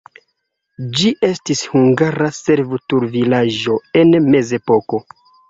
Ĝi estis hungara servutulvilaĝo en mezepoko.